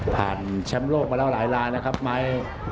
แชมป์โลกมาแล้วหลายลายนะครับไม้